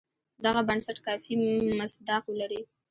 دغه بنسټ کافي مصداق ولري.